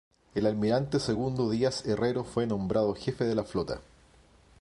El almirante Segundo Díaz Herrero fue nombrado jefe de la flota.